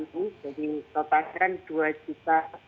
jadi total kan dua empat juta